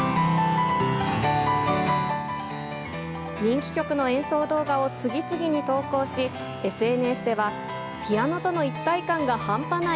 人気曲の演奏動画を次々に投稿し、ＳＮＳでは、ピアノとの一体感が半端ない！